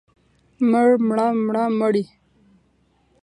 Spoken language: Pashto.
مړ، مړه، مړه، مړې.